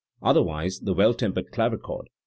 Origin of the Well tempered Clavichord.